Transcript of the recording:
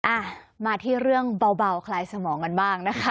อ่ะมาที่เรื่องเบาคลายสมองกันบ้างนะคะ